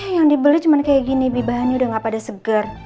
yang dibeli cuma kayak gini bibahannya udah gak pada seger